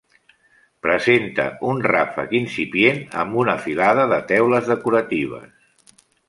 Presenta un ràfec incipient amb una filada de teules decoratives.